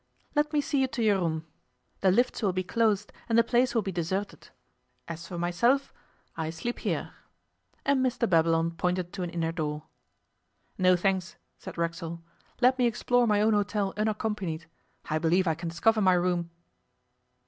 'Let me see you to your room. The lifts will be closed and the place will be deserted. As for myself, I sleep here,' and Mr Babylon pointed to an inner door. 'No, thanks,' said Racksole; 'let me explore my own hotel unaccompanied. I believe I can discover my room.